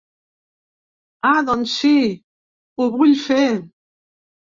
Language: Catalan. Ah doncs si, ho vull fer.